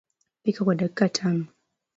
Pika kwa dakika tano